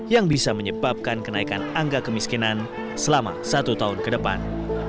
yang bisa menyebabkan kenaikan angka kemiskinan selama satu tahun ke depan